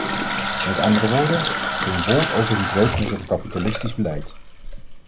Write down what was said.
Met andere woorden: geen woord over een breuk met het kapitalistische beleid...